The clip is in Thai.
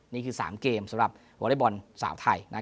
นี้คือ๓เกมสำหรับบริเวิร์นสาวไทย